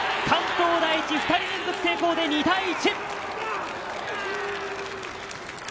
関東第一、２人連続成功で２対１！